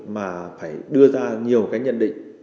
mà phải đưa ra nhiều cái nhận định